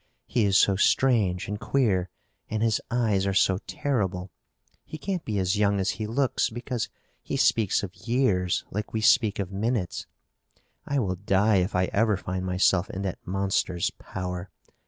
He is so strange and queer and his eyes are so terrible. He can't be as young as he looks, because he speaks of years like we speak of minutes. I will die if I ever find myself in that monster's power!